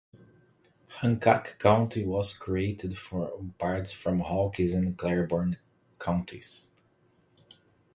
Hancock County was created from parts of Hawkins and Claiborne counties.